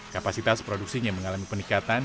kapasitas produksinya mengalami peningkatan